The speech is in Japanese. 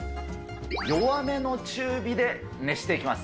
弱めの中火で熱していきます。